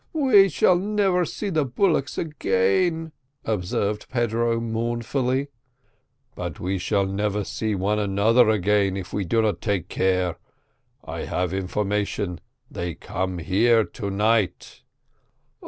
"We shall never see the bullocks again," observed Pedro mournfully. "No; but we shall never see one another again, if we do not take care. I have information they come here to night."